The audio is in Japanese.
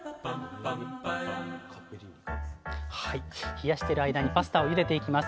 冷やしてる間にパスタをゆでていきます。